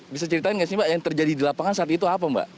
bisa ceritain nggak sih mbak yang terjadi di lapangan saat itu apa mbak